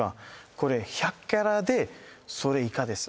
これ１００カラットでそれ以下です